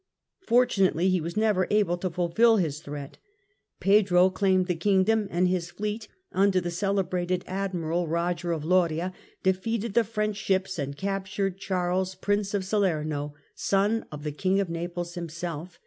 Fortunately he was never able to fulfil his threat. Pedro claimed the kingdom, and his fleet, under the celebrated Admiral Eoger de Loria, defeated Battle of the French ships and captured Charles Prince of Salerno, 1284 ' son of the Kmg of Naples himself.